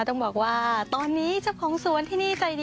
ต้องบอกว่าตอนนี้เจ้าของสวนที่นี่ใจดี